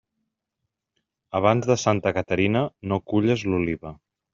Abans de Santa Caterina, no culles l'oliva.